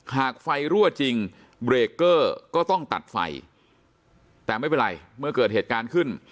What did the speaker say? หากไฟรั่วจริงเบรกเกอร์ก็ต้องตัดไฟแต่ไม่เป็นไรเมื่อเกิดเหตุการณ์ขึ้น